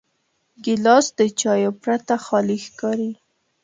ګیلاس د چایو پرته خالي ښکاري.